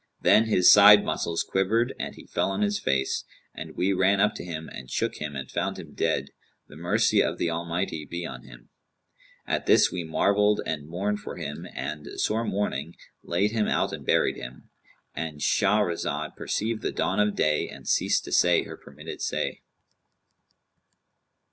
Then his side muscles quivered and he fell on his face; and we ran up to him and shook him and found him dead, the mercy of the Almighty be on him! At this we marvelled and mourned for him and, sore mourning, laid him out and buried him".—And Shahrazad perceived the dawn of day and ceased to say her permitted say.